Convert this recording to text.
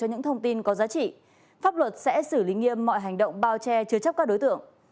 những thông tin có giá trị pháp luật sẽ xử lý nghiêm mọi hành động bao che chứa chấp các đối tượng